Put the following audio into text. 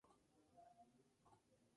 La historia, en detalle, es la siguiente.